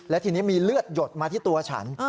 และทีนี้มีเลือดหยดมาที่ตัวฉัน